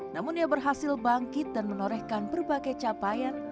namun ia berhasil bangkit dan menorehkan berbagai capaian